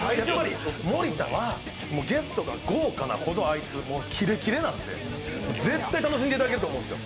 盛田はゲストが豪華なほどあいつ、キレキレなんで、絶対楽しんでいただけると思うんですよ。